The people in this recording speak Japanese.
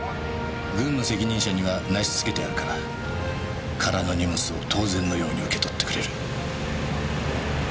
軍の責任者には話つけてあるから空の荷物を当然のように受け取ってくれる。